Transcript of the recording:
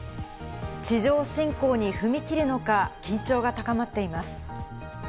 地上侵攻に踏み切るのか、緊張が高まっています。